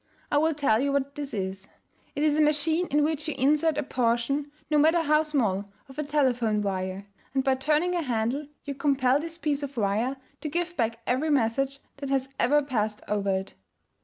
I will tell you what this is. It is a machine in which you insert a portion, no matter how small, of a telephone wire, and by turning a handle you compel this piece of wire to give back every message that has ever passed over it.'